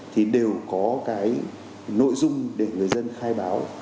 thì đều có cái nội dung để người dân khai báo